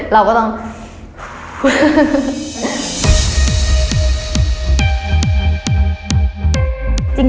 เราก็ต้องฮู้วววว